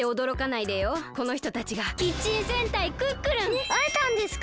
えっあえたんですか！